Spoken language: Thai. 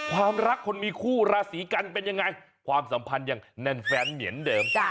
ความรักคนมีคู่ราศีกันเป็นยังไงความสัมพันธ์ยังแน่นแฟนเหมือนเดิม